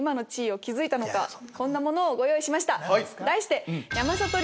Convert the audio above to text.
こんなものをご用意しました。